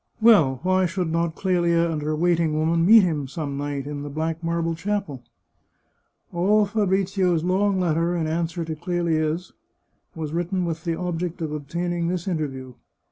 Well, why should not Clelia and 364 The Chartreuse of Parma her waiting woman meet him, some night, in the black marble chapel? All Fabrizio's long letter in answer to Clelia's was writ ten with the object of obtaining this interview.